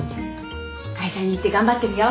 会社に行って頑張ってるよ。